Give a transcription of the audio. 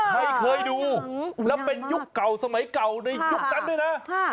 เคยดูแล้วเป็นยุคเก่าสมัยเก่าในยุคนั้นด้วยนะ